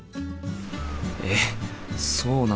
えっそうなんだ。